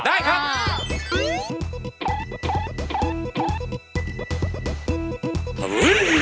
ได้ครับ